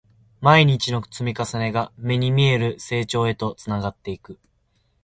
毎日の積み重ねが、目に見える成長へとつながっていく